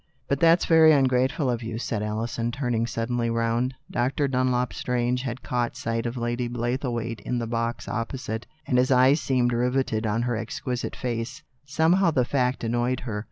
" But that's very ungrateful of you," said Alison, turning suddenly round, Dr. Dunlop Strange had caught sight of Lady Blaythe waite in the box opposite, and his eyes seemed rivetted on her insolent, superb beauty. Somehow the fact annoyed her.